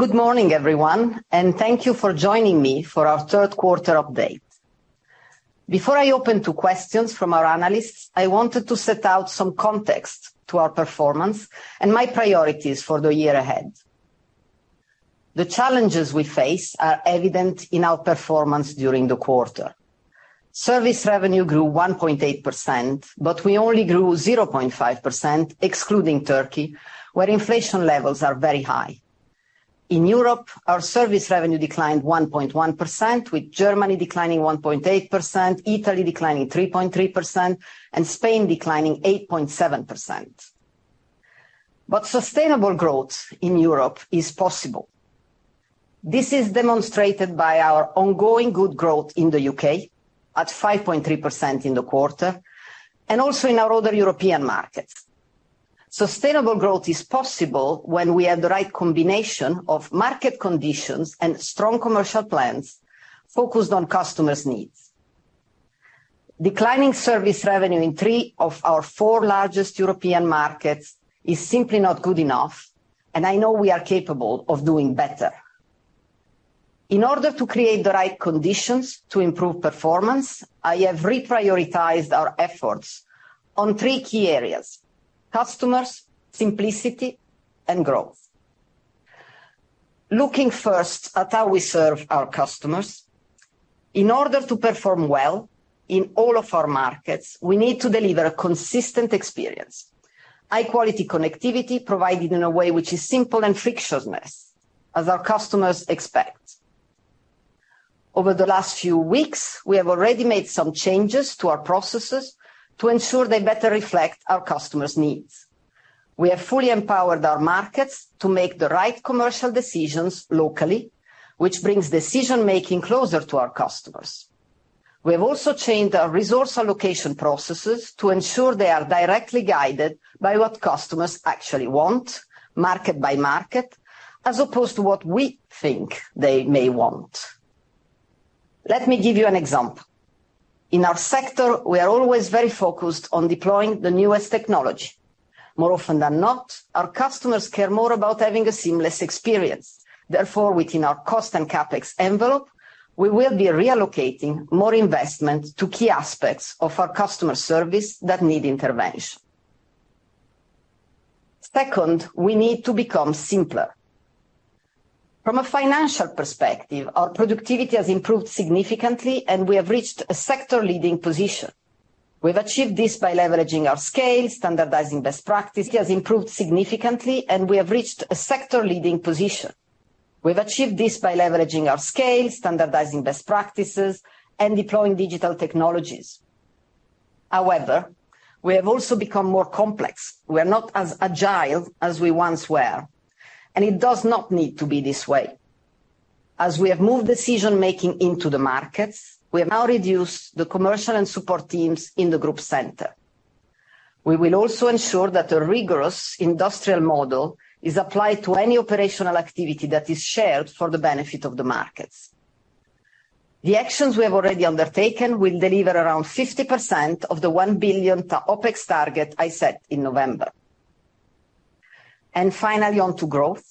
Good morning, everyone, and thank you for joining me for our third quarter update. Before I open to questions from our analysts, I wanted to set out some context to our performance and my priorities for the year ahead. The challenges we face are evident in our performance during the quarter. Service revenue grew 1.8%, we only grew 0.5% excluding Türkiye, where inflation levels are very high. In Europe, our service revenue declined 1.1%, with Germany declining 1.8%, Italy declining 3.3%, and Spain declining 8.7%. Sustainable growth in Europe is possible. This is demonstrated by our ongoing good growth in the U.K. at 5.3% in the quarter and also in our other European markets. Sustainable growth is possible when we have the right combination of market conditions and strong commercial plans focused on customers' needs. Declining service revenue in three of our four largest European markets is simply not good enough, and I know we are capable of doing better. In order to create the right conditions to improve performance, I have reprioritized our efforts on three key areas: customers, simplicity, and growth. Looking first at how we serve our customers. In order to perform well in all of our markets, we need to deliver a consistent experience. High quality connectivity provided in a way which is simple and frictionless as our customers expect. Over the last few weeks, we have already made some changes to our processes to ensure they better reflect our customers' needs. We have fully empowered our markets to make the right commercial decisions locally, which brings decision-making closer to our customers. We have also changed our resource allocation processes to ensure they are directly guided by what customers actually want, market by market, as opposed to what we think they may want. Let me give you an example. In our sector, we are always very focused on deploying the newest technology. More often than not, our customers care more about having a seamless experience. Therefore, within our cost and CapEx envelope, we will be reallocating more investment to key aspects of our customer service that need intervention. Second, we need to become simpler. From a financial perspective, our productivity has improved significantly, and we have reached a sector-leading position. We've achieved this by leveraging our scale, standardizing best practice. We've achieved this by leveraging our scale, standardizing best practices, and deploying digital technologies. We have also become more complex. We are not as agile as we once were, and it does not need to be this way. As we have moved decision-making into the markets, we have now reduced the commercial and support teams in the group center. We will also ensure that a rigorous industrial model is applied to any operational activity that is shared for the benefit of the markets. The actions we have already undertaken will deliver around 50% of the 1 billion OpEx target I set in November. Finally, on to growth.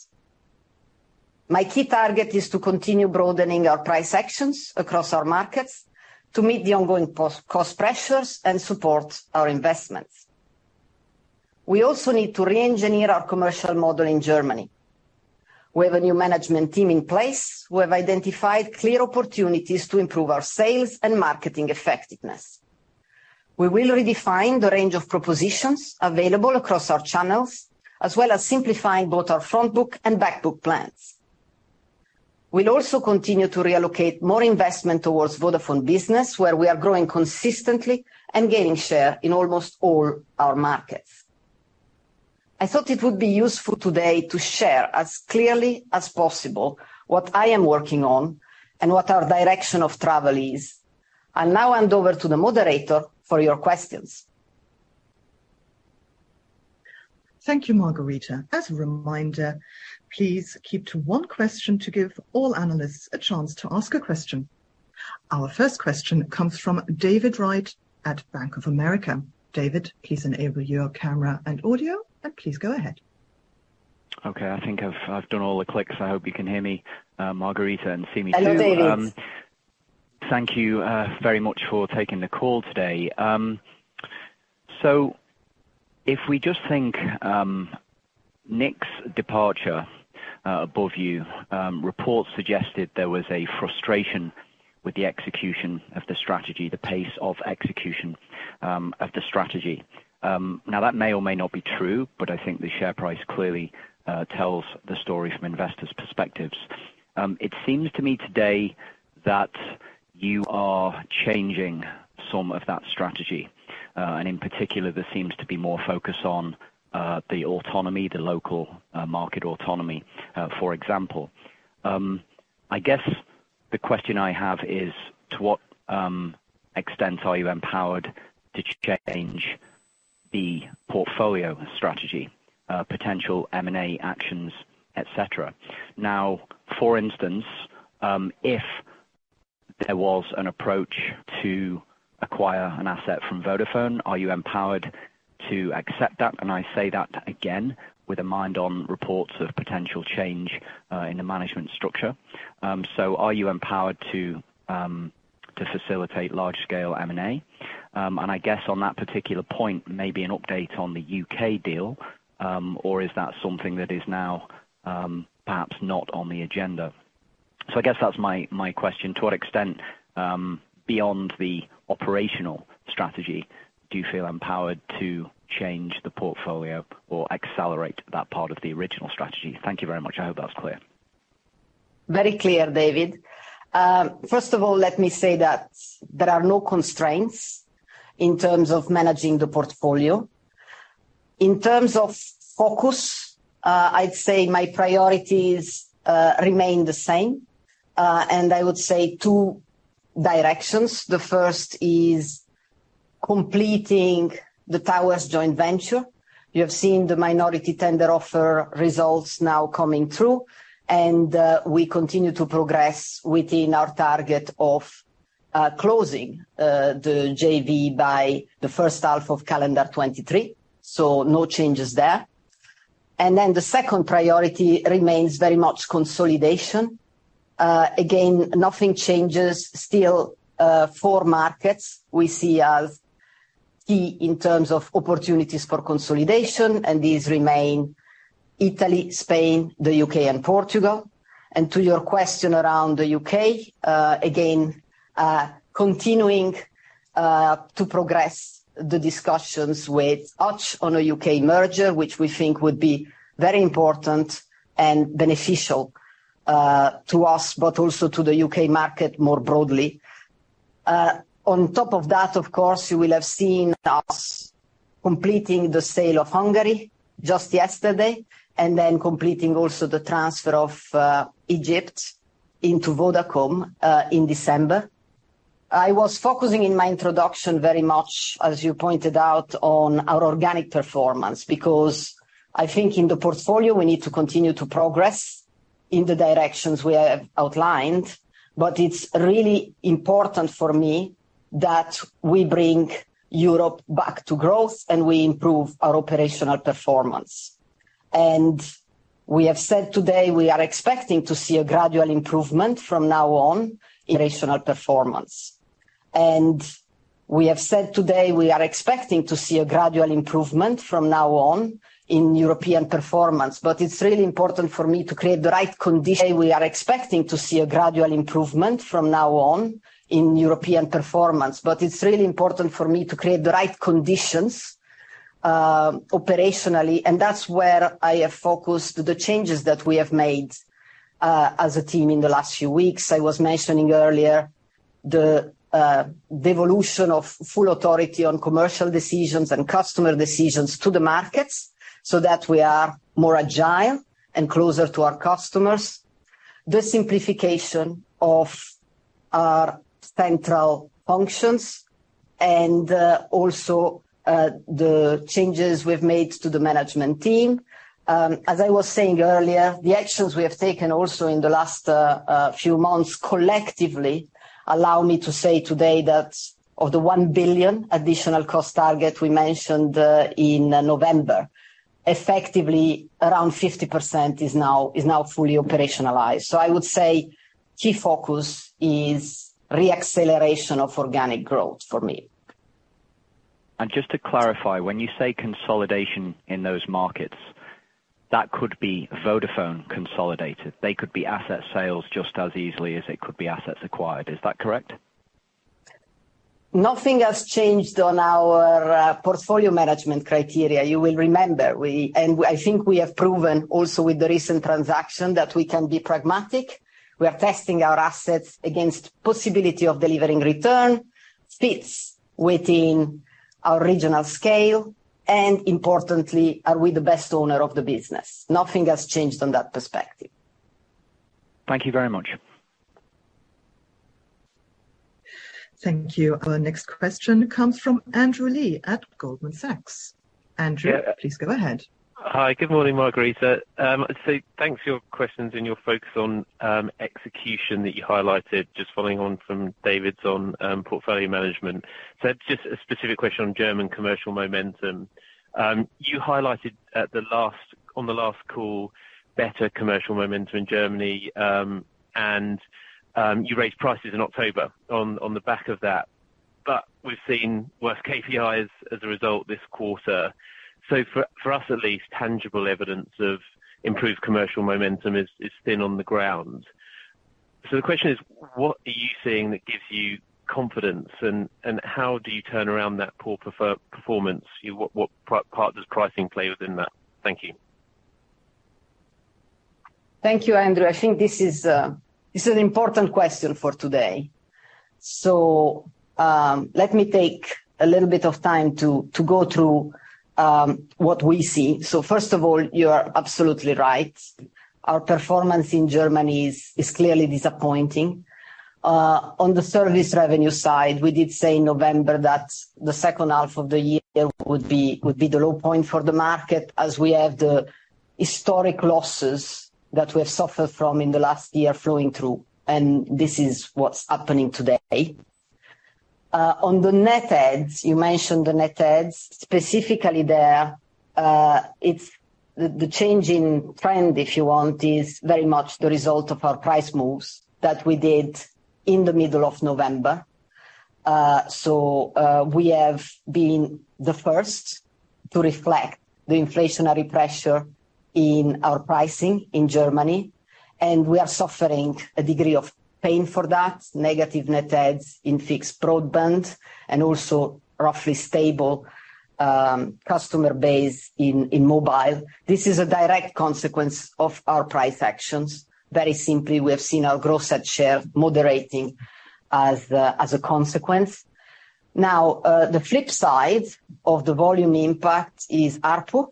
My key target is to continue broadening our price actions across our markets to meet the ongoing cost pressures and support our investments. We also need to reengineer our commercial model in Germany. We have a new management team in place. We have identified clear opportunities to improve our sales and marketing effectiveness. We will redefine the range of propositions available across our channels, as well as simplifying both our front book and back book plans. We'll also continue to reallocate more investment towards Vodafone Business, where we are growing consistently and gaining share in almost all our markets. I thought it would be useful today to share as clearly as possible what I am working on and what our direction of travel is. I'll now hand over to the moderator for your questions. Thank you, Margherita. As a reminder, please keep to one question to give all analysts a chance to ask a question. Our first question comes from David Wright at Bank of America. David, please enable your camera and audio, and please go ahead. Okay. I think I've done all the clicks. I hope you can hear me, Margherita, and see me, too. Hello, David. Thank you very much for taking the call today. If we just think, Nick's departure above you, reports suggested there was a frustration with the execution of the strategy, the pace of execution of the strategy. Now that may or may not be true, but I think the share price clearly tells the story from investors' perspectives. It seems to me today that you are changing some of that strategy, and in particular, there seems to be more focus on the autonomy, the local market autonomy, for example. I guess the question I have is, to what extent are you empowered to change the portfolio strategy, potential M&A actions, etc? Now, for instance, if there was an approach to acquire an asset from Vodafone. Are you empowered to accept that? I say that again with a mind on reports of potential change in the management structure. Are you empowered to facilitate large scale M&A? I guess on that particular point, maybe an update on the U.K. deal, or is that something that is now perhaps not on the agenda? I guess that's my question. To what extent, beyond the operational strategy, do you feel empowered to change the portfolio or accelerate that part of the original strategy? Thank you very much. I hope that was clear. Very clear, David. First of all, let me say that there are no constraints in terms of managing the portfolio. In terms of focus, I'd say my priorities remain the same. I would say two directions. The first is completing the towers joint venture. You have seen the minority tender offer results now coming through, we continue to progress within our target of closing the JV by the first half of calendar 2023. No changes there. The second priority remains very much consolidation. Again, nothing changes still. Four markets we see as key in terms of opportunities for consolidation, these remain Italy, Spain, the U.K. and Portugal. To your question around the U.K., again, continuing to progress the discussions with Hutchison on a U.K. merger, which we think would be very important and beneficial to us, but also to the U.K. market more broadly. On top of that, of course, you will have seen us completing the sale of Hungary just yesterday and then completing also the transfer of Egypt into Vodacom in December. I was focusing in my introduction very much, as you pointed out, on our organic performance, because I think in the portfolio we need to continue to progress in the directions we have outlined. It's really important for me that we bring Europe back to growth and we improve our operational performance. We have said today we are expecting to see a gradual improvement from now on in operational performance. We have said today we are expecting to see a gradual improvement from now on in European performance. But it's really important for me to create the right condition. We are expecting to see a gradual improvement from now on in European performance. But it's really important for me to create the right conditions, operationally, and that's where I have focused the changes that we have made as a team in the last few weeks. I was mentioning earlier the devolution of full authority on commercial decisions and customer decisions to the markets so that we are more agile and closer to our customers. The simplification of our central functions and also the changes we've made to the management team. As I was saying earlier, the actions we have taken also in the last few months collectively allow me to say today that of the 1 billion additional cost target we mentioned in November, effectively around 50% is now fully operationalized. I would say key focus is re-acceleration of organic growth for me. Just to clarify, when you say consolidation in those markets, that could be Vodafone consolidated, they could be asset sales just as easily as it could be assets acquired. Is that correct? Nothing has changed on our portfolio management criteria. You will remember we, and I think we have proven also with the recent transaction that we can be pragmatic. We are testing our assets against possibility of delivering return, fits within our regional scale, and importantly, are we the best owner of the business? Nothing has changed on that perspective. Thank you very much. Thank you. Our next question comes from Andrew Lee at Goldman Sachs. Andrew, please go ahead. Hi. Good morning, Margherita. Thanks for your questions and your focus on execution that you highlighted. Just following on from David's on portfolio management. Just a specific question on German commercial momentum. You highlighted on the last call better commercial momentum in Germany. You raised prices in October on the back of that. We've seen worse KPIs as a result this quarter. For us at least, tangible evidence of improved commercial momentum is thin on the ground. The question is, what are you seeing that gives you confidence? How do you turn around that poor performance? What part does pricing play within that? Thank you. Thank you, Andrew. I think this is an important question for today. Let me take a little bit of time to go through what we see. First of all, you are absolutely right. Our performance in Germany is clearly disappointing. On the service revenue side, we did say in November that the second half of the year would be the low point for the market as we have the historic losses that we have suffered from in the last year flowing through. This is what's happening today. On the net adds, you mentioned the net adds. Specifically there, it's the change in trend, if you want, is very much the result of our price moves that we did in the middle of November. We have been the first to reflect the inflationary pressure in our pricing in Germany, we are suffering a degree of pain for that, negative net adds in fixed broadband and also roughly stable customer base in mobile. This is a direct consequence of our price actions. Very simply, we have seen our gross add share moderating as a consequence. The flip side of the volume impact is ARPU,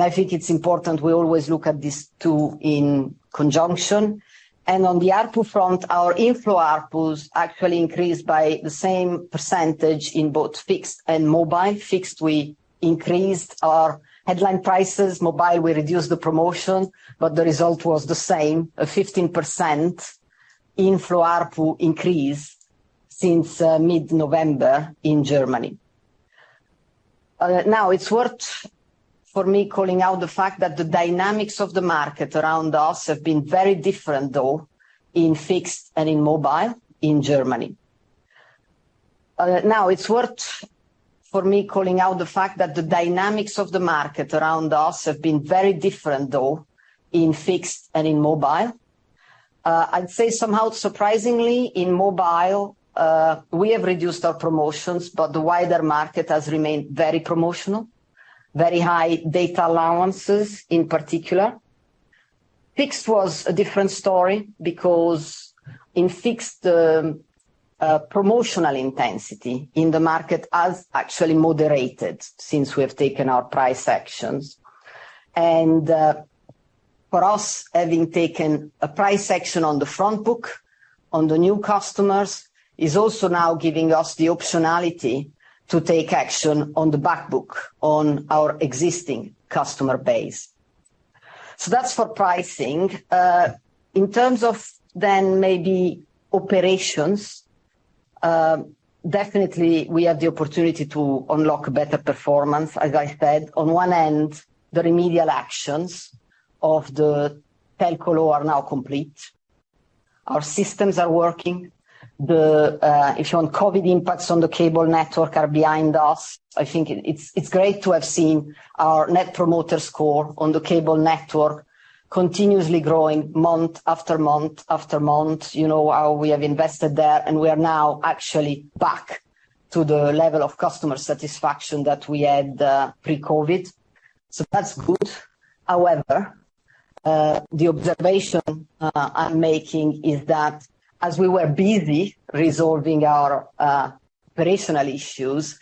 I think it's important we always look at these two in conjunction. On the ARPU front, our inflow ARPUs actually increased by the same percentage in both fixed and mobile. Fixed, we increased our headline prices. Mobile, we reduced the promotion, the result was the same, a 15% inflow ARPU increase since mid-November in Germany. Now it's worth for me calling out the fact that the dynamics of the market around us have been very different though in fixed and in mobile in Germany. Now it's worth for me calling out the fact that the dynamics of the market around us have been very different though in fixed and in mobile. I'd say somehow surprisingly in mobile, we have reduced our promotions, but the wider market has remained very promotional, very high data allowances in particular. Fixed was a different story because in fixed, promotional intensity in the market has actually moderated since we have taken our price actions. For us, having taken a price action on the front book on the new customers is also now giving us the optionality to take action on the back book on our existing customer base. That's for pricing. In terms of then maybe operations, definitely we have the opportunity to unlock better performance, as I said. On one end, the remedial actions of the Telco Law are now complete. Our systems are working. The, if you want, COVID impacts on the cable network are behind us. I think it's great to have seen our Net Promoter Score on the cable network continuously growing month after month. You know how we have invested there, and we are now actually back to the level of customer satisfaction that we had pre-COVID. That's good. However, the observation I'm making is that as we were busy resolving our operational issues,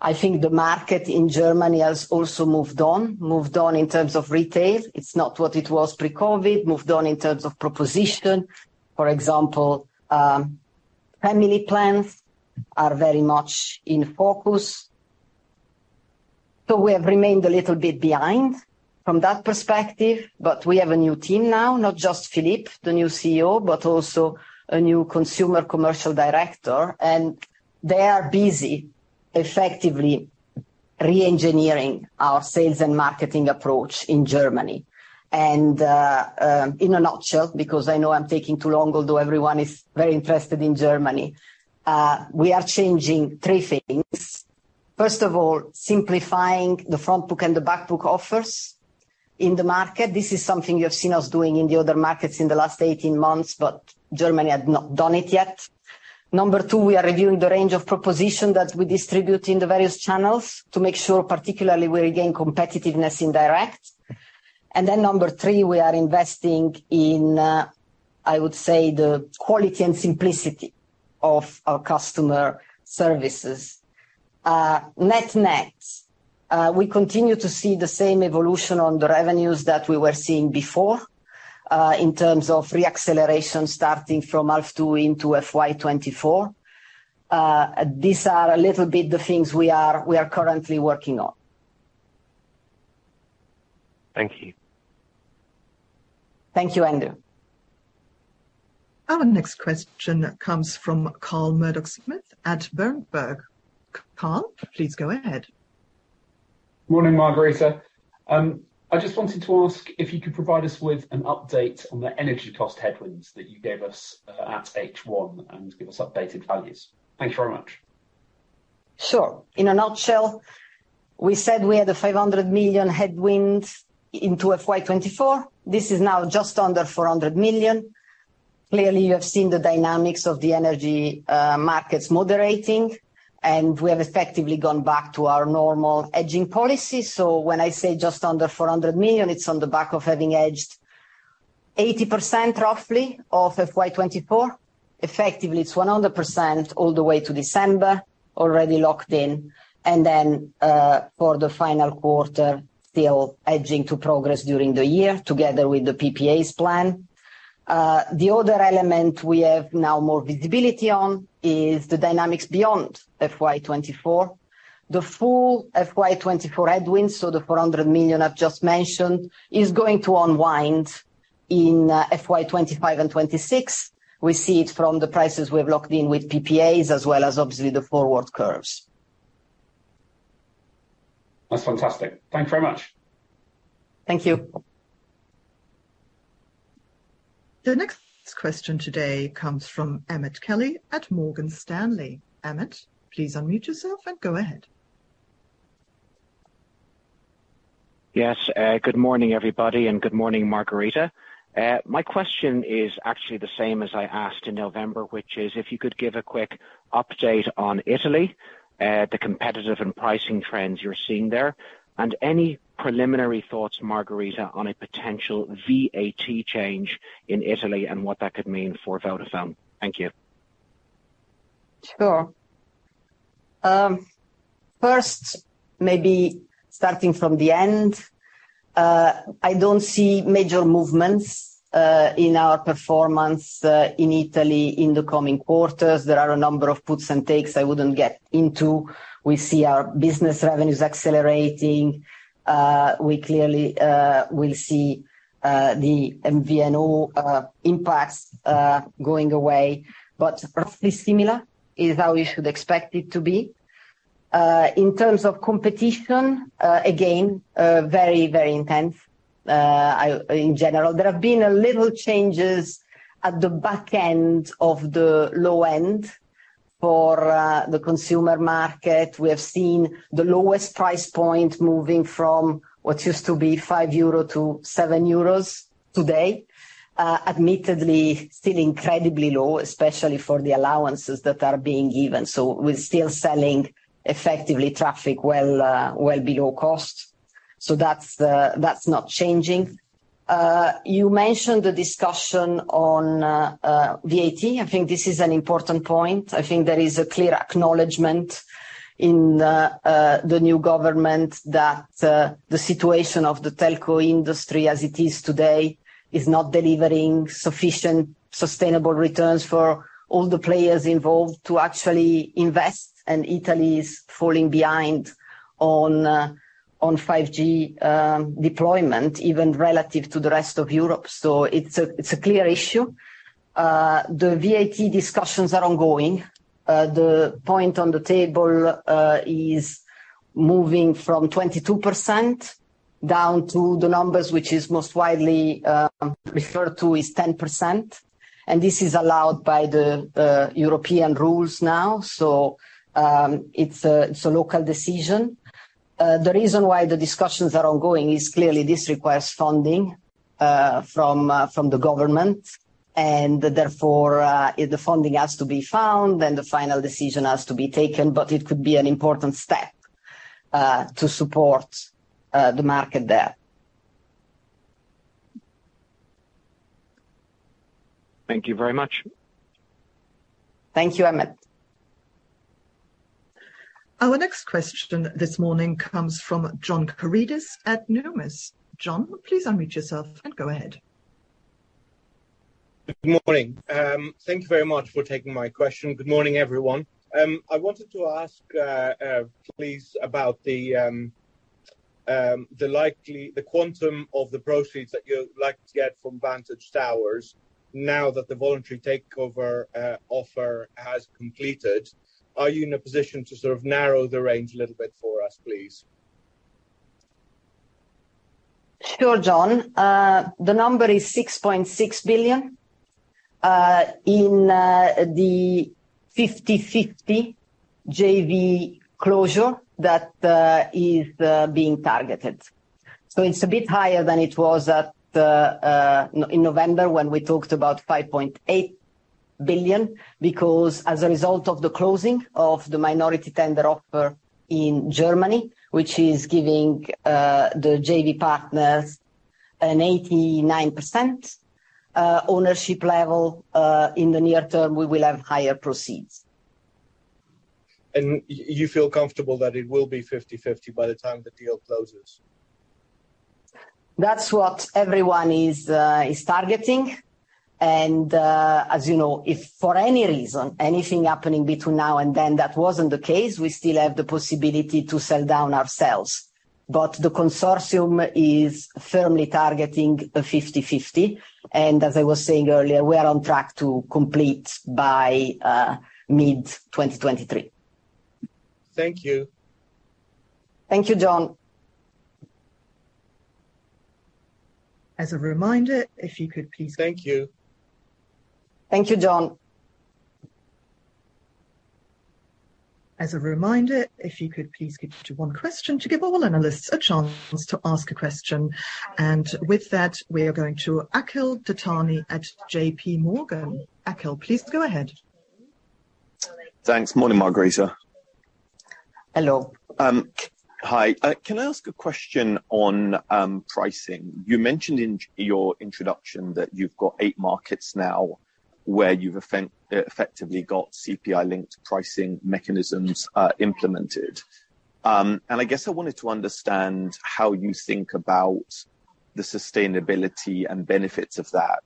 I think the market in Germany has also moved on. Moved on in terms of retail. It's not what it was pre-COVID. Moved on in terms of proposition. For example, family plans are very much in focus. We have remained a little bit behind from that perspective, but we have a new team now. Not just Philippe, the new CEO, but also a new consumer commercial director, and they are busy effectively re-engineering our sales and marketing approach in Germany. In a nutshell, because I know I'm taking too long, although everyone is very interested in Germany, we are changing three things. First of all, simplifying the front book and the back book offers in the market. This is something you have seen us doing in the other markets in the last 18 months, but Germany had not done it yet. Number two, we are reviewing the range of proposition that we distribute in the various channels to make sure particularly we regain competitiveness in direct. Number three, we are investing in, I would say, the quality and simplicity of our customer services. Net-net, we continue to see the same evolution on the revenues that we were seeing before, in terms of re-acceleration starting from H2 into FY 2024. These are a little bit the things we are currently working on. Thank you. Thank you, Andrew. Our next question comes from Carl Murdock-Smith at Berenberg. Carl, please go ahead. Morning, Margherita. I just wanted to ask if you could provide us with an update on the energy cost headwinds that you gave us at H1 and give us updated values. Thank you very much. Sure. In a nutshell, we said we had a 500 million headwind into FY 2024. This is now just under 400 million. Clearly, you have seen the dynamics of the energy markets moderating, and we have effectively gone back to our normal hedging policy. When I say just under 400 million, it's on the back of having hedged 80% roughly of FY 2024. Effectively, it's 100% all the way to December, already locked in. For the final quarter, still hedging to progress during the year together with the PPAs plan. The other element we have now more visibility on is the dynamics beyond FY 2024. The full FY 2024 headwind, so the 400 million I've just mentioned, is going to unwind in FY 2025 and FY 2026. We see it from the prices we have locked in with PPAs as well as obviously the forward curves. That's fantastic. Thank you very much. Thank you. The next question today comes from Emmet Kelly at Morgan Stanley. Emmet, please unmute yourself and go ahead. Yes. Good morning, everybody, and good morning, Margherita. My question is actually the same as I asked in November, which is if you could give a quick update on Italy, the competitive and pricing trends you're seeing there, and any preliminary thoughts, Margherita, on a potential VAT change in Italy and what that could mean for Vodafone. Thank you. Sure. First, maybe starting from the end, I don't see major movements in our performance in Italy in the coming quarters. There are a number of puts and takes I wouldn't get into. We see our business revenues accelerating. We clearly will see the MVNO impacts going away. Roughly similar is how we should expect it to be. In terms of competition, again, very intense in general. There have been a little changes at the back end of the low end. For the consumer market, we have seen the lowest price point moving from what used to be 5-7 euro today. Admittedly still incredibly low, especially for the allowances that are being given. We're still selling effectively traffic well below cost. So, that's not changing. You mentioned the discussion on VAT. I think there is a clear acknowledgment in the new government that the situation of the telco industry as it is today is not delivering sufficient sustainable returns for all the players involved to actually invest, Italy is falling behind on 5G deployment even relative to the rest of Europe. It's a clear issue. The VAT discussions are ongoing. The point on the table is moving from 22% down to the numbers which is most widely referred to is 10%. This is allowed by the European rules now, so it's a local decision. The reason why the discussions are ongoing is clearly this requires funding from from the government and therefore, if the funding has to be found, then the final decision has to be taken, but it could be an important step to support the market there. Thank you very much. Thank you, Emmet. Our next question this morning comes from John Karidis at Numis. John, please unmute yourself and go ahead. Good morning. Thank you very much for taking my question. Good morning, everyone. I wanted to ask please about the quantum of the proceeds that you're likely to get from Vantage Towers now that the voluntary takeover offer has completed. Are you in a position to sort of narrow the range a little bit for us, please? Sure, John. The number is 6.6 billion in the 50/50 JV closure that is being targeted. It's a bit higher than it was at in November when we talked about 5.8 billion because as a result of the closing of the minority tender offer in Germany, which is giving the JV partners an 89% ownership level in the near term, we will have higher proceeds. You feel comfortable that it will be 50/50 by the time the deal closes? That's what everyone is targeting. As you know, if for any reason, anything happening between now and then that wasn't the case, we still have the possibility to sell down ourselves. The consortium is firmly targeting a 50/50. As I was saying earlier, we are on track to complete by mid 2023. Thank you. Thank you, John. As a reminder, if you could please keep it to one question to give all analysts a chance to ask a question. With that, we are going to Akhil Dattani at JPMorgan. Akhil, please go ahead. Thanks. Morning, Margherita. Hello. Hi. Can I ask a question on pricing? You mentioned in your introduction that you've got eight markets now where you've effectively got CPI-linked pricing mechanisms implemented. I guess I wanted to understand how you think about the sustainability and benefits of that.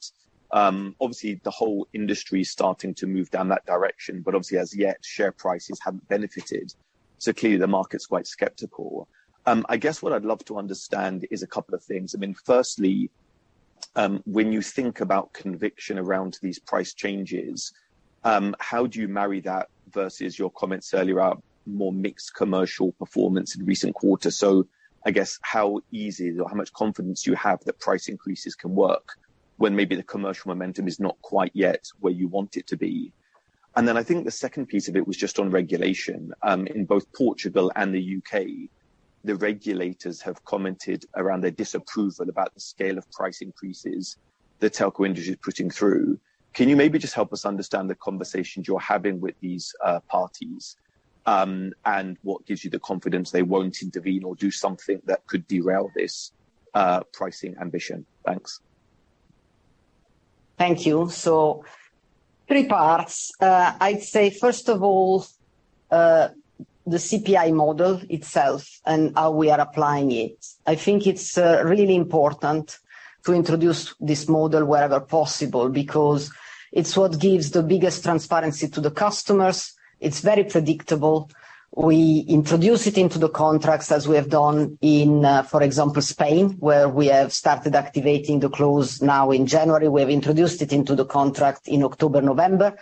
Obviously the whole industry is starting to move down that direction, obviously as yet, share prices haven't benefited. Clearly, the market's quite skeptical. I guess what I'd love to understand is a couple of things. Firstly, when you think about conviction around these price changes, how do you marry that versus your comments earlier about more mixed commercial performance in recent quarters? I guess how easy or how much confidence you have that price increases can work when maybe the commercial momentum is not quite yet where you want it to be. I think the second piece of it was just on regulation. In both Portugal and the U.K., the regulators have commented around their disapproval about the scale of price increases the telco industry is putting through. Can you maybe just help us understand the conversations you're having with these parties? What gives you the confidence they won't intervene or do something that could derail this pricing ambition? Thanks. Thank you. Three parts. I'd say first of all, the CPI model itself and how we are applying it. I think it's really important to introduce this model wherever possible because it's what gives the biggest transparency to the customers. It's very predictable. We introduce it into the contracts as we have done in for example, Spain, where we have started activating the clause now in January. We have introduced it into the contract in October, November.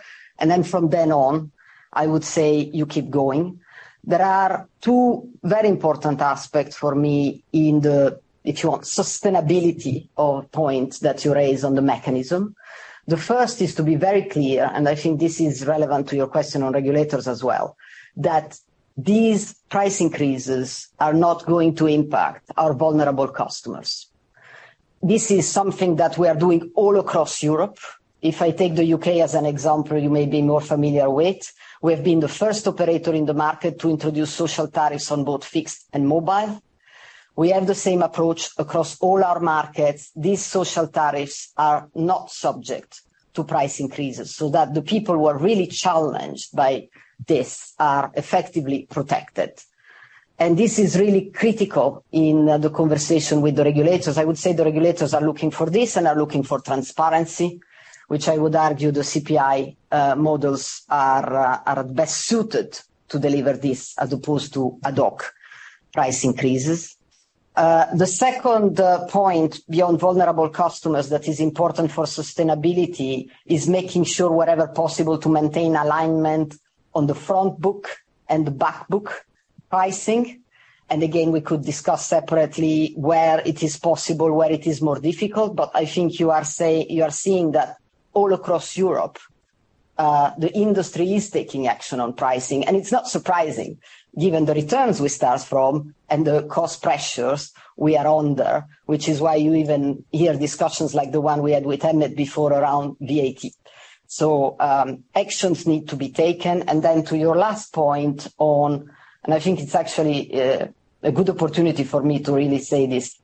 From then on, I would say you keep going. There are two very important aspects for me in the, if you want, sustainability of points that you raise on the mechanism. The first is to be very clear, and I think this is relevant to your question on regulators as well, that these price increases are not going to impact our vulnerable customers. This is something that we are doing all across Europe. If I take the U.K. as an example, you may be more familiar with, we have been the first operator in the market to introduce social tariffs on both fixed and mobile. We have the same approach across all our markets. These social tariffs are not subject to price increases, so that the people who are really challenged by this are effectively protected. This is really critical in the conversation with the regulators. I would say the regulators are looking for this and are looking for transparency, which I would argue the CPI models are best suited to deliver this as opposed to ad hoc price increases. The second point beyond vulnerable customers that is important for sustainability is making sure wherever possible to maintain alignment on the front book and the back book pricing. Again, we could discuss separately where it is possible, where it is more difficult. I think you are seeing that all across Europe, the industry is taking action on pricing. It's not surprising given the returns we start from and the cost pressures we are under, which is why you even hear discussions like the one we had with Henrik before around VAT. Actions need to be taken. I think it's actually a good opportunity for me to really say this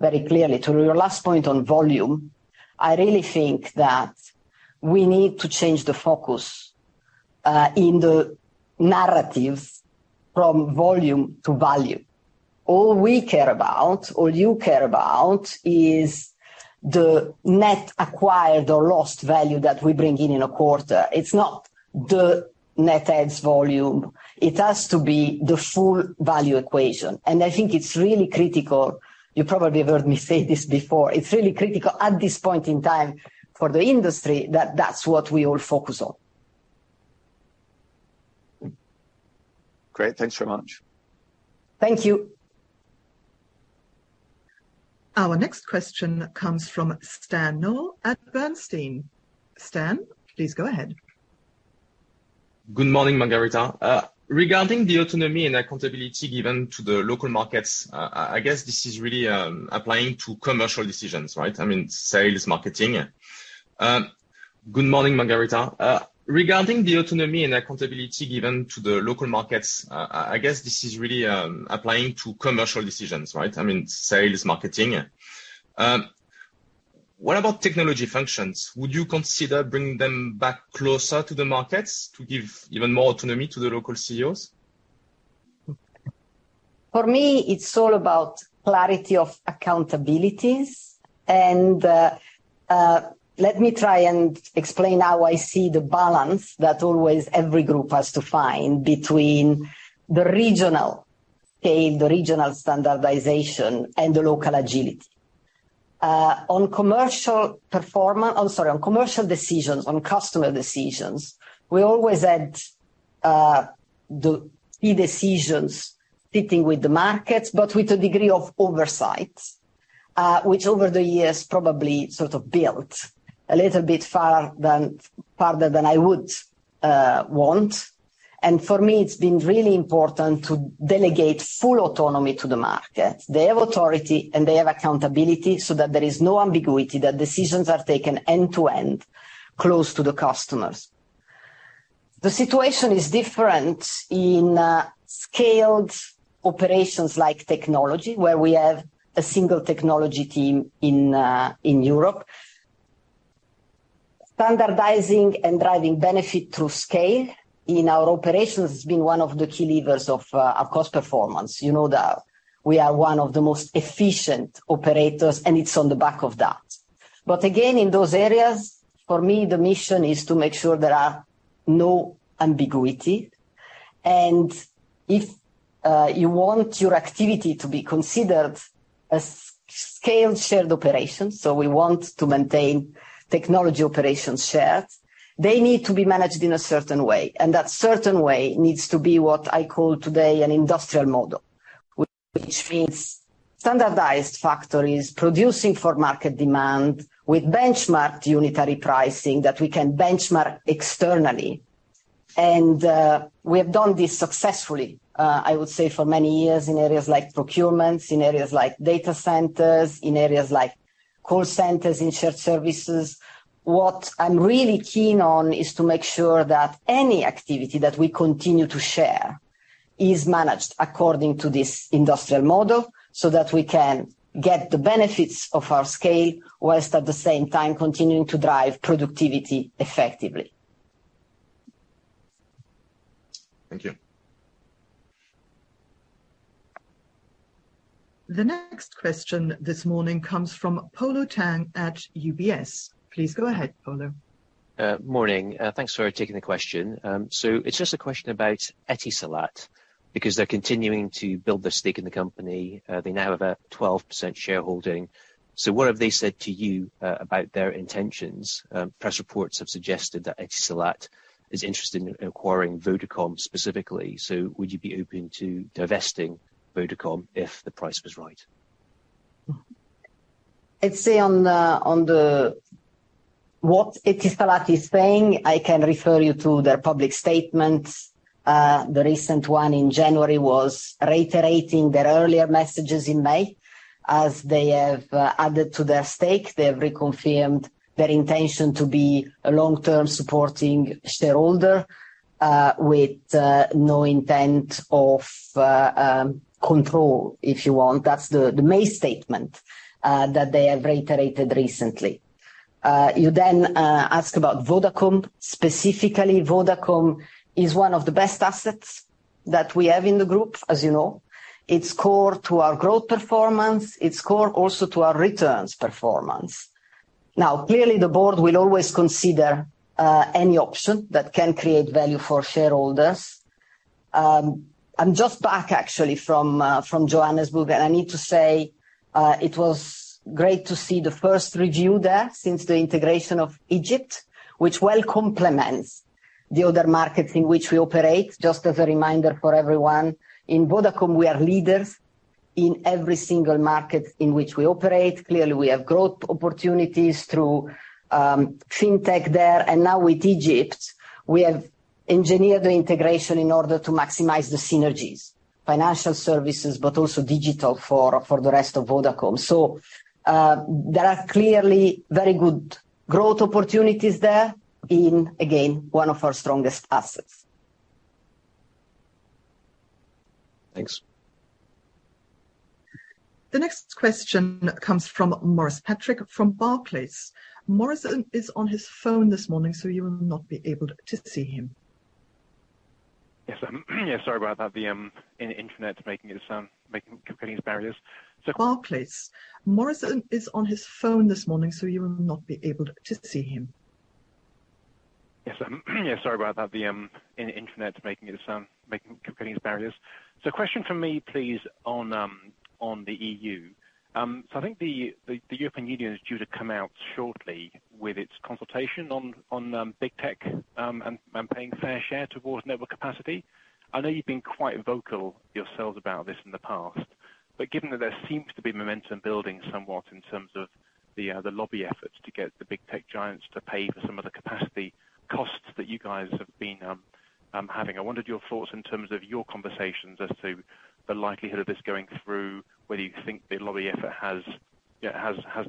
very clearly. To your last point on volume, I really think that we need to change the focus in the narrative from volume to value. All we care about or you care about is the net acquired or lost value that we bring in in a quarter. It's not the net adds volume. It has to be the full value equation. I think it's really critical, you probably have heard me say this before. It's really critical at this point in time for the industry that that's what we all focus on. Great. Thanks so much. Thank you. Our next question comes from Stanislas Noel at Bernstein. Stan, please go ahead. Good morning, Margherita. Regarding the autonomy and accountability given to the local markets, I guess this is really applying to commercial decisions, right? I mean, sales, marketing. Good morning, Margherita. Regarding the autonomy and accountability given to the local markets, I guess this is really applying to commercial decisions, right? I mean, sales, marketing. What about technology functions? Would you consider bringing them back closer to the markets to give even more autonomy to the local CEOs? For me, it's all about clarity of accountabilities. Let me try and explain how I see the balance that always every group has to find between the regional pay, the regional standardization and the local agility. I'm sorry, on commercial decisions, on customer decisions, we always had the key decisions fitting with the markets, but with a degree of oversight, which over the years probably sort of built a little bit farther than I would want. For me, it's been really important to delegate full autonomy to the market. They have authority, and they have accountability so that there is no ambiguity, that decisions are taken end to end, close to the customers. The situation is different in scaled operations like technology, where we have a single technology team in Europe. Standardizing and driving benefit through scale in our operations has been one of the key levers of our cost performance. You know that we are one of the most efficient operators, and it's on the back of that. Again, in those areas, for me, the mission is to make sure there are no ambiguity. If you want your activity to be considered a scale shared operation, so we want to maintain technology operations shared, they need to be managed in a certain way, and that certain way needs to be what I call today an industrial model. Which means standardized factories producing for market demand with benchmarked unitary pricing that we can benchmark externally. We have done this successfully, I would say for many years in areas like procurements, in areas like data centers, in areas like call centers, in shared services. What I'm really keen on is to make sure that any activity that we continue to share is managed according to this industrial model so that we can get the benefits of our scale whilst at the same time continuing to drive productivity effectively. Thank you. The next question this morning comes from Polo Tang at UBS. Please go ahead, Polo. Morning. Thanks for taking the question. It's just a question about Etisalat because they're continuing to build their stake in the company. They now have a 12% shareholding. What have they said to you about their intentions? Press reports have suggested that Etisalat is interested in acquiring Vodacom specifically. Would you be open to divesting Vodacom if the price was right? I'd say on the what Etisalat is saying, I can refer you to their public statements. The recent one in January was reiterating their earlier messages in May. As they have added to their stake, they've reconfirmed their intention to be a long-term supporting shareholder with no intent of control, if you want. That's the May statement that they have reiterated recently. You then ask about Vodacom. Specifically, Vodacom is one of the best assets that we have in the group, as you know. It's core to our growth performance. It's core also to our returns performance. Clearly, the board will always consider any option that can create value for shareholders. I'm just back actually from Johannesburg, and I need to say, it was great to see the first review there since the integration of Egypt, which well complements the other markets in which we operate. Just as a reminder for everyone, in Vodacom, we are leaders in every single market in which we operate. Clearly, we have growth opportunities through fintech there. Now with Egypt, we have engineered the integration in order to maximize the synergies, financial services, but also digital for the rest of Vodacom. There are clearly very good growth opportunities there being, again, one of our strongest assets. Thanks. The next question comes from Maurice Patrick from Barclays. Maurice is on his phone this morning. You will not be able to see him. Yeah, sorry about that. The internet's making it sound. Making, creating barriers. Question from me, please, on the EU. I think the European Union is due to come out shortly with its consultation on Big Tech and paying fair share towards network capacity. I know you've been quite vocal yourselves about this in the past, but given that there seems to be momentum building somewhat in terms of the lobby efforts to get the Big Tech giants to pay for some of the capacity costs that you guys have been having, I wondered your thoughts in terms of your conversations as to the likelihood of this going through, whether you think the lobby effort has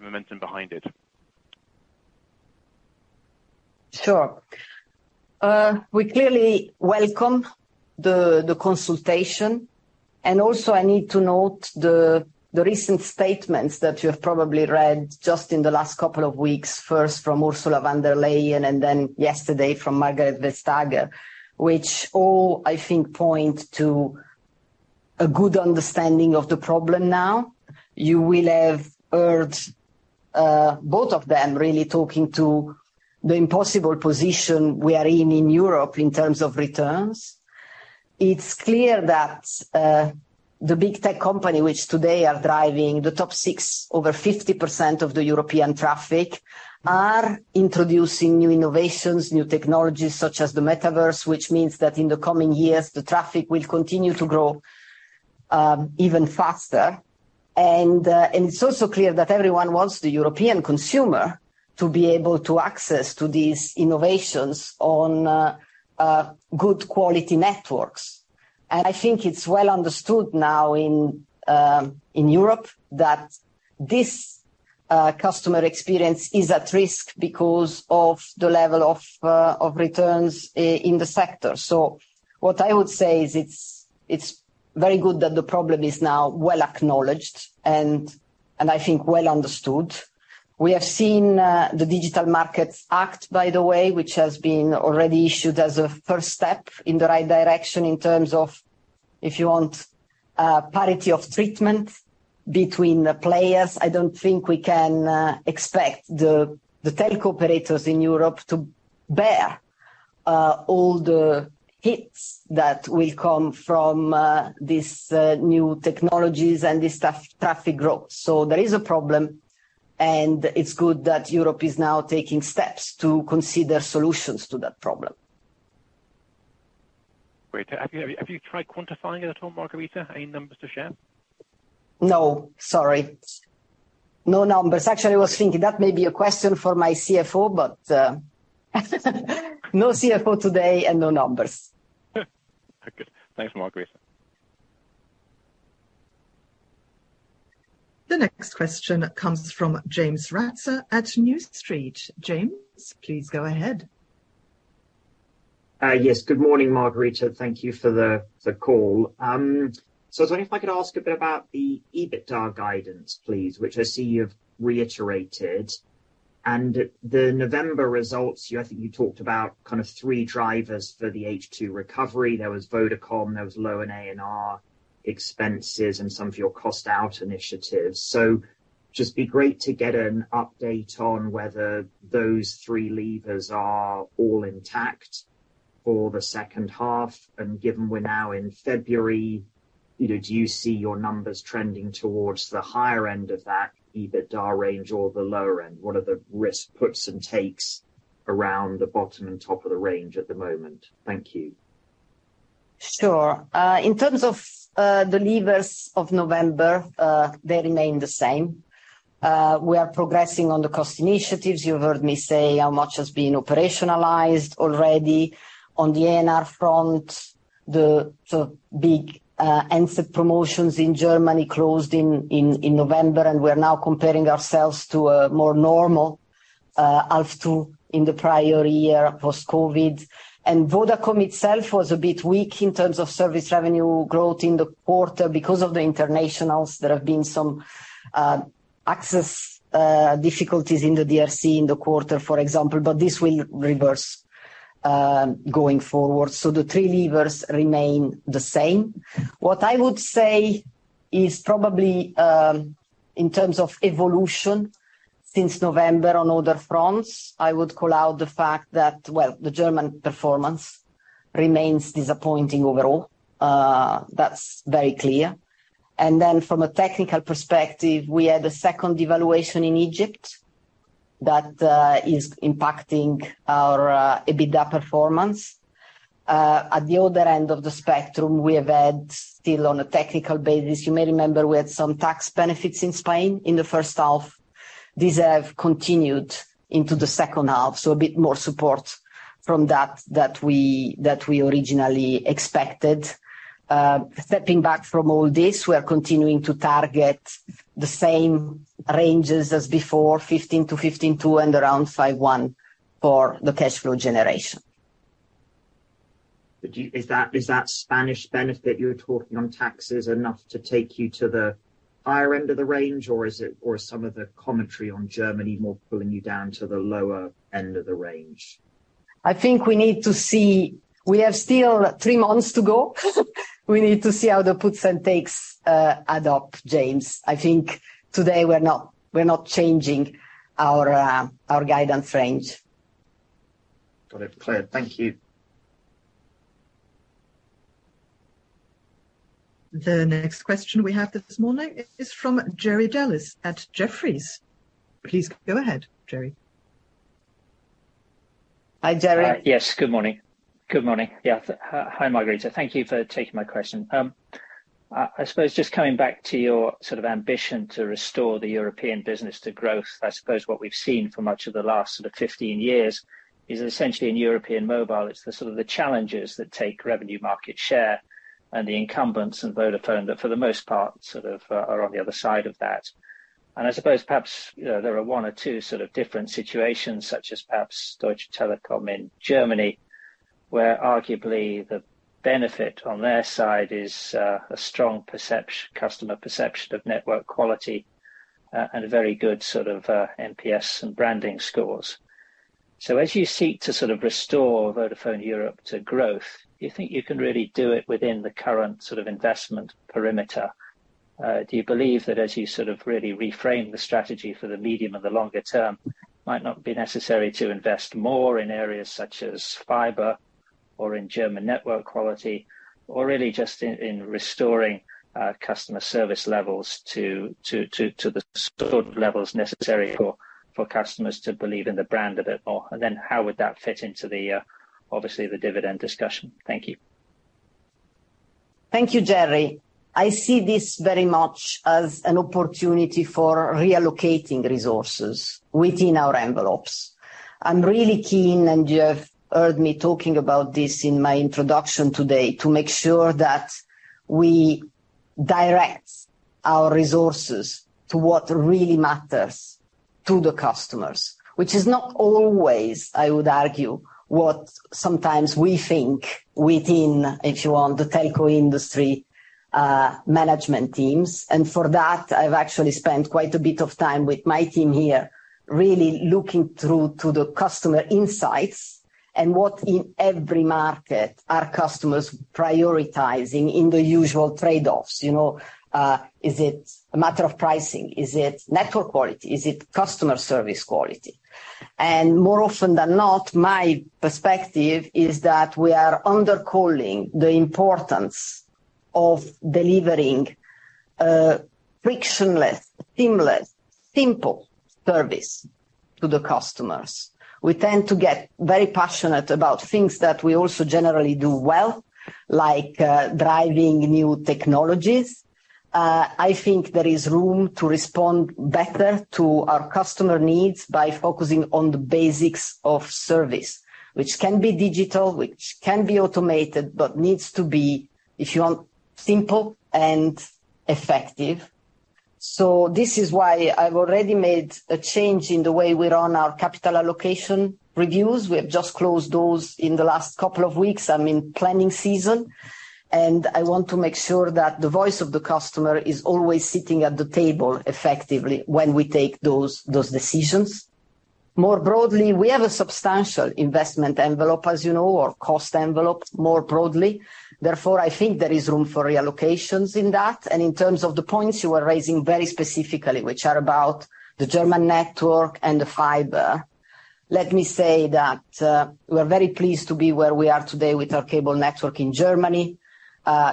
momentum behind it. Sure. We clearly welcome the consultation. Also I need to note the recent statements that you have probably read just in the last couple of weeks, first from Ursula von der Leyen and then yesterday from Margrethe Vestager, which all, I think, point to a good understanding of the problem now. You will have heard both of them really talking to the impossible position we are in in Europe in terms of returns. It's clear that the Big Tech company, which today are driving the top six over 50% of the European traffic, are introducing new innovations, new technologies such as the metaverse, which means that in the coming years the traffic will continue to grow even faster. It's also clear that everyone wants the European consumer to be able to access to these innovations on good quality networks. I think it's well understood now in Europe that this customer experience is at risk because of the level of returns in the sector. What I would say is it's very good that the problem is now well acknowledged and I think well understood. We have seen the Digital Markets Act, by the way, which has been already issued as a first step in the right direction in terms of, if you want, parity of treatment between the players. I don't think we can expect the telco operators in Europe to bear all the hits that will come from these new technologies and this traffic growth. There is a problem, and it's good that Europe is now taking steps to consider solutions to that problem. Great. Have you tried quantifying it at all, Margherita? Any numbers to share? No. Sorry. No numbers. Actually, I was thinking that may be a question for my CFO, but no CFO today and no numbers. Okay. Thanks, Margherita. The next question comes from James Ratzer at New Street. James, please go ahead. Yes. Good morning, Margherita. Thank you for the call. I was wondering if I could ask a bit about the EBITDA guidance, please, which I see you've reiterated. The November results, I think you talked about kind of three drivers for the H2 recovery. There was Vodacom, there was low in A&R expenses and some of your cost out initiatives. Just be great to get an update on whether those three levers are all intact for the second half. Given we're now in February, you know, do you see your numbers trending towards the higher end of that EBITDA range or the lower end? What are the risk puts and takes around the bottom and top of the range at the moment? Thank you. Sure. In terms of the levers of November, they remain the same. We are progressing on the cost initiatives. You've heard me say how much has been operationalized already. On the A&R front, the big answered promotions in Germany closed in November, and we're now comparing ourselves to a more normal H2 in the prior year post-COVID. Vodacom itself was a bit weak in terms of service revenue growth in the quarter because of the internationals. There have been some access difficulties in the DRC in the quarter, for example, but this will reverse going forward. The three levers remain the same. What I would say is probably, in terms of evolution since November on other fronts, I would call out the fact that, well, the German performance remains disappointing overall. That's very clear. From a technical perspective, we had a second devaluation in Egypt that is impacting our EBITDA performance. At the other end of the spectrum, we have had still on a technical basis, you may remember we had some tax benefits in Spain in the first half. These have continued into the second half, so a bit more support from that we originally expected. Stepping back from all this, we are continuing to target the same ranges as before, 15 billion-15.2 billion and around 5.1 billion for the cash flow generation. Is that Spanish benefit you're talking on taxes enough to take you to the higher end of the range, or some of the commentary on Germany more pulling you down to the lower end of the range? I think we need to see. We have still three months to go. We need to see how the puts and takes add up, James. I think today we're not changing our guidance range. Got it clear. Thank you. The next question we have this morning is from Jerry Dellis at Jefferies. Please go ahead, Jerry. Hi, Jerry. Good morning. Hi, Margherita. Thank you for taking my question. I suppose just coming back to your sort of ambition to restore the European business to growth, I suppose what we've seen for much of the last sort of 15 years is essentially in European mobile, it's the sort of the challenges that take revenue market share and the incumbents and Vodafone that for the most part, sort of, are on the other side of that. I suppose perhaps, you know, there are one or two sort of different situations, such as perhaps Deutsche Telekom in Germany, where arguably the benefit on their side is a strong customer perception of network quality, and a very good sort of, NPS and branding scores. As you seek to sort of restore Vodafone Europe to growth, you think you can really do it within the current sort of investment perimeter? Do you believe that as you sort of really reframe the strategy for the medium and the longer term, might not be necessary to invest more in areas such as fiber or in German network quality, or really just in restoring customer service levels to the sort of levels necessary for customers to believe in the brand a bit more? How would that fit into the obviously the dividend discussion? Thank you. Thank you, Jerry. I see this very much as an opportunity for reallocating resources within our envelopes. I'm really keen, and you have heard me talking about this in my introduction today, to make sure that we direct our resources to what really matters to the customers, which is not always, I would argue, what sometimes we think within, if you want, the telco industry management teams. For that, I've actually spent quite a bit of time with my team here really looking through to the customer insights and what in every market are customers prioritizing in the usual trade-offs. You know, is it a matter of pricing? Is it network quality? Is it customer service quality? More often than not, my perspective is that we are undercalling the importance of delivering frictionless, seamless, simple service to the customers. We tend to get very passionate about things that we also generally do well, like driving new technologies. I think there is room to respond better to our customer needs by focusing on the basics of service, which can be digital, which can be automated, but needs to be, if you want, simple and effective. This is why I've already made a change in the way we run our capital allocation reviews. We have just closed those in the last couple of weeks. I'm in planning season, I want to make sure that the voice of the customer is always sitting at the table effectively when we take those decisions. More broadly, we have a substantial investment envelope, as you know, or cost envelope, more broadly. I think there is room for reallocations in that. In terms of the points you are raising very specifically, which are about the German network and the fiber, let me say that, we're very pleased to be where we are today with our cable network in Germany.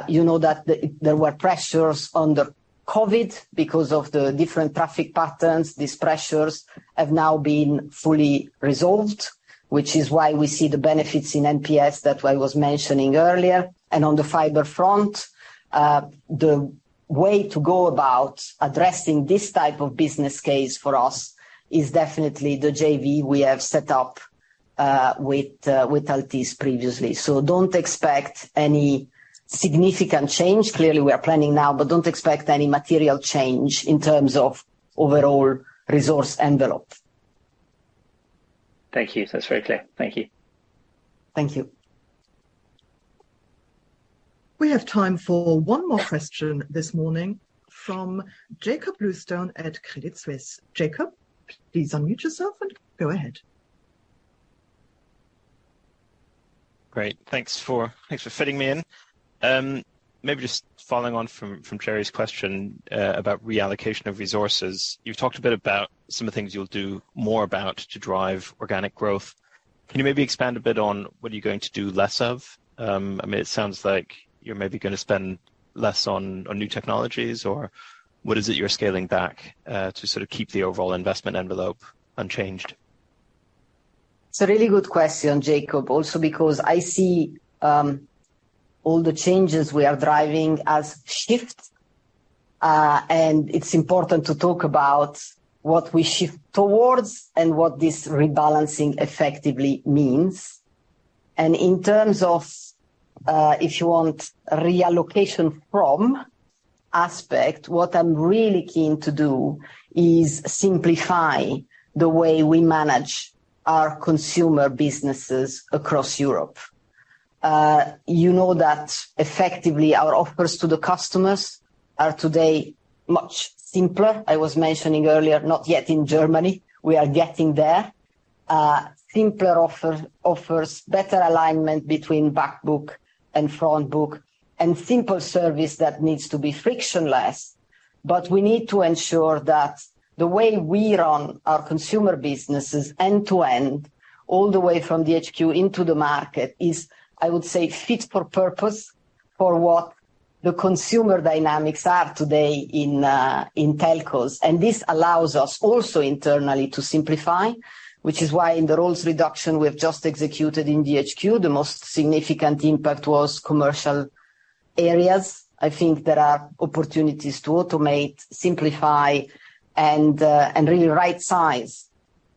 You know that there were pressures under COVID because of the different traffic patterns. These pressures have now been fully resolved, which is why we see the benefits in NPS that I was mentioning earlier. On the fiber front, the way to go about addressing this type of business case for us is definitely the JV we have set up with Altice previously. Don't expect any significant change. Clearly, we are planning now, but don't expect any material change in terms of overall resource envelope. Thank you. That's very clear. Thank you. Thank you. We have time for one more question this morning from Jakob Bluestone at Credit Suisse. Jakob, please unmute yourself and go ahead. Great. Thanks for fitting me in. Maybe just following on from Jerry's question about reallocation of resources. You've talked a bit about some of the things you'll do more about to drive organic growth. Can you maybe expand a bit on what are you going to do less of? I mean, it sounds like you're maybe gonna spend less on new technologies or what is it you're scaling back to sort of keep the overall investment envelope unchanged? It's a really good question, Jakob, also because I see all the changes we are driving as shifts, and it's important to talk about what we shift towards and what this rebalancing effectively means. In terms of, if you want reallocation from aspect, what I'm really keen to do is simplify the way we manage our consumer businesses across Europe. You know that effectively our offers to the customers are today much simpler. I was mentioning earlier, not yet in Germany. We are getting there. Simpler offers better alignment between back book and front book and simple service that needs to be frictionless. We need to ensure that the way we run our consumer businesses end to end, all the way from the HQ into the market is, I would say, fit for purpose for what the consumer dynamics are today in telcos. This allows us also internally to simplify, which is why in the roles reduction we have just executed in the HQ, the most significant impact was commercial areas. I think there are opportunities to automate, simplify and really right-size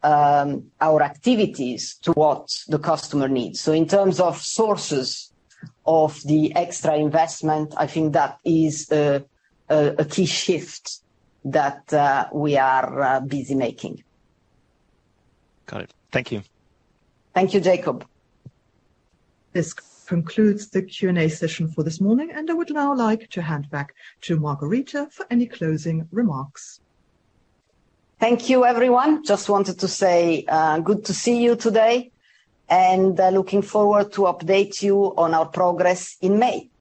our activities to what the customer needs. In terms of sources of the extra investment, I think that is a key shift that we are busy making. Got it. Thank you. Thank you, Jakob. This concludes the Q&A session for this morning, and I would now like to hand back to Margherita for any closing remarks. Thank you, everyone. Just wanted to say, good to see you today and, looking forward to update you on our progress in May.